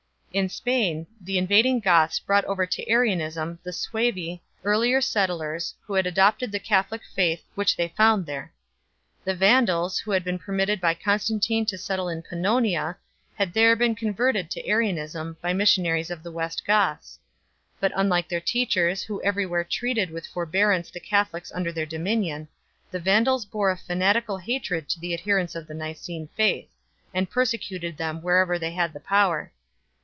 In Spain the invading Goths brought over to Arianism the Suevi, earlier settlers, who had adopted the Catholic faith which they found there. The Vandals, who had been permitted by Constantine to settle in Pannonia, had there been converted to Arianism by missionaries of the West Goths ; but, unlike their teachers, who everywhere treated with forbearance the Catholics under their dominion, the Vandals bore a fanatical hatred to the adherents of the Nicene faith, and persecuted them wherever they had the power.